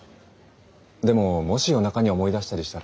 でももし夜中に思い出したりしたら。